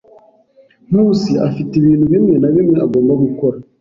Nkusi afite ibintu bimwe na bimwe agomba gukora.